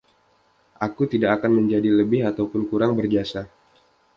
Aku tidak akan menjadi lebih ataupun kurang berjasa.